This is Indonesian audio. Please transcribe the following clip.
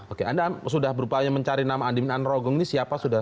oke anda sudah berupaya mencari nama andina rogong ini siapa sudah